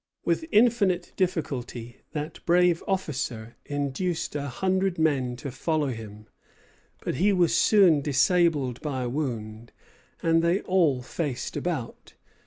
With infinite difficulty that brave officer induced a hundred men to follow him; but he was soon disabled by a wound, and they all faced about.